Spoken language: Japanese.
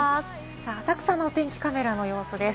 浅草のお天気カメラの様子です。